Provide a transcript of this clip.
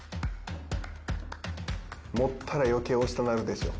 持ったら余計押したなるでしょ。